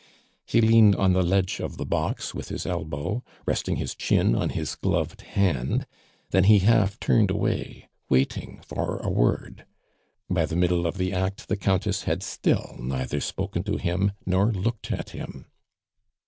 He leaned on the ledge of the box with his elbow, resting his chin on his gloved hand; then he half turned away, waiting for a word. By the middle of the act the Countess had still neither spoken to him nor looked at him.